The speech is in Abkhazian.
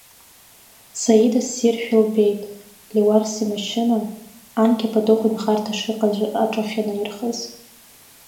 Саида ссиршәа илбеит, Леуарса имашьына, анкьа Патыхә инхарҭа шыҟаз аҿахьынаирхаз.